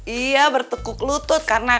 iya berteguk lutut karena